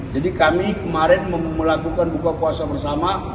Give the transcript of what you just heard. jadi kami kemarin melakukan buka puasa bersama